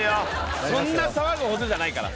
そんな騒ぐほどじゃないから。